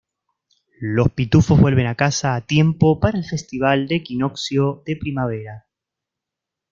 Los pitufos vuelven a casa a tiempo para el festival del Equinoccio de Primavera.